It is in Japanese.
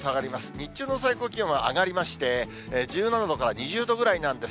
日中の最高気温は上がりまして、１７度から２０度ぐらいなんです。